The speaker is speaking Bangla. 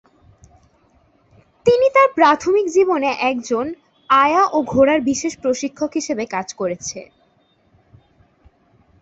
তিনি তার প্রাথমিক জীবনে একজন আয়া ও ঘোড়ার বিশেষ প্রশিক্ষক হিসেবে কাজ করেছে।